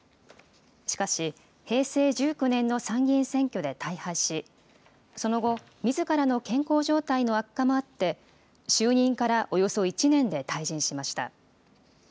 しかし、平成１９年の参議院選挙で大敗し、その後、みずからの健康状態の悪化もあって、就任からおよそ１年で退陣しました。